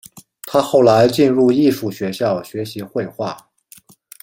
他后来进入艺术学校学习绘画。